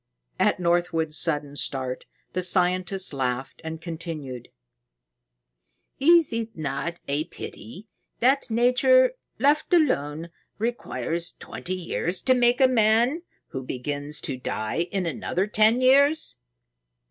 At Northwood's sudden start, the scientist laughed and continued: "Is it not a pity that Nature, left alone, requires twenty years to make a man who begins to die in another ten years?